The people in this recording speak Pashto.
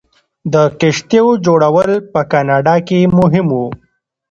د کښتیو جوړول په کاناډا کې مهم و.